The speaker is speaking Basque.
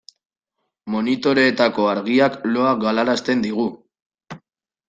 Monitoreetako argiak loa galarazten digu.